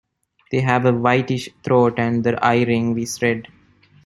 They have a whitish throat and the eye-ring is red.